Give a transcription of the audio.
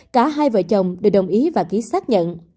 cả hai vợ chồng đều đồng ý và ký xác nhận